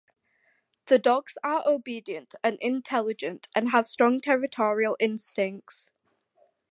The dogs are obedient and intelligent and have strong territorial instincts.